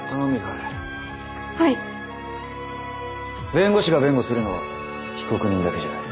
弁護士が弁護するのは被告人だけじゃない。